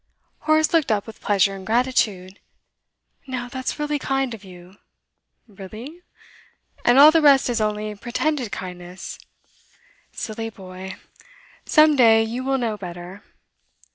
Horace looked up with pleasure and gratitude. 'Now, that's really kind of you!' 'Really? And all the rest is only pretended kindness? Silly boy! Some day you will know better.